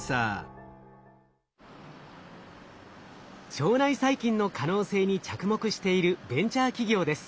腸内細菌の可能性に着目しているベンチャー企業です。